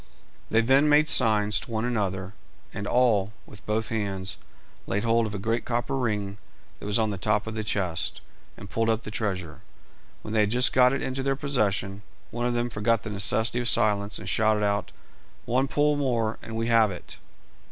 They then made signs to one another, and all, with both hands, laid hold of a great copper ring that was on the top of the chest, and pulled up the treasure. When they had just got it into their possession, one of them forgot the necessity of silence, and shouted out "One pull more, and we have it!"